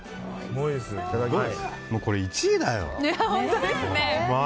もうこれ１位だよ。